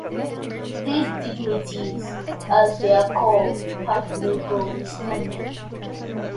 These dignities, as they are called, have legal standing.